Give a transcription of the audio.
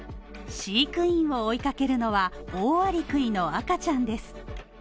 飼育員を追いかけるのは、オオアリクイの赤ちゃんです。